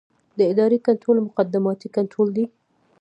د ادارې کنټرول مقدماتي کنټرول دی.